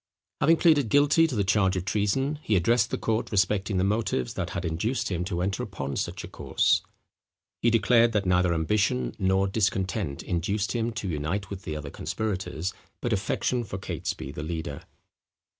Having pleaded guilty to the charge of treason, he addressed the court respecting the motives that had induced him to enter upon such a course. He declared that neither ambition nor discontent induced him to unite with the other conspirators, but affection for Catesby the leader.